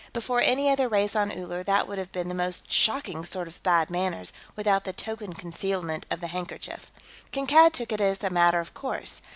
Before any other race on Uller, that would have been the most shocking sort of bad manners, without the token concealment of the handkerchief. Kankad took it as a matter of course.